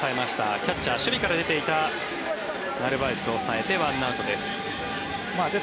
キャッチャー、守備から出ていたナルバエスを抑えて１アウトです。